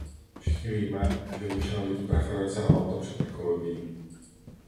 Všichni víme, že většina lidí preferuje cenu auta před ekologií.